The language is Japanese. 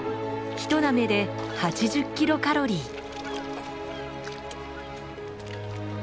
ひとなめで８０キロカロリー。